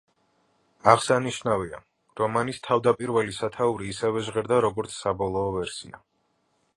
აღსანიშნავია, რომანის თავდაპირველი სათაურიც ისევე ჟღერდა, როგორც საბოლოო ვერსია.